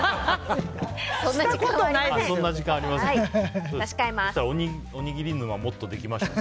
そんな時間はありません。